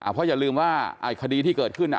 เพราะอย่าลืมว่าคดีที่เกิดขึ้น